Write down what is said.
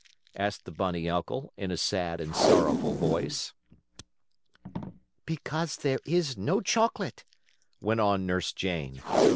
asked the bunny uncle, in a sad and sorrowful voice. "Because there is no chocolate," went on Nurse Jane.